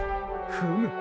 フム。